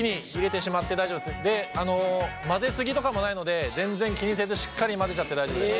混ぜ過ぎとかもないので全然気にせずしっかり混ぜちゃって大丈夫です。